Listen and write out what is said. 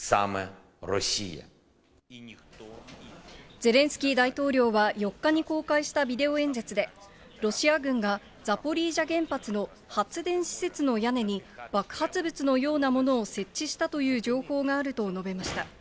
ゼレンスキー大統領は４日に公開したビデオ演説で、ロシア軍がザポリージャ原発の発電施設の屋根に、爆発物のようなものを設置したという情報があると述べました。